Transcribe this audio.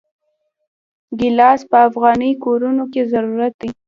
ګیلاس په افغاني کورونو کې ضروري دی.